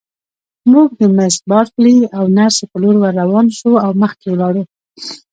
موږ د مس بارکلي او نرسې په لور ورروان شوو او مخکې ولاړو.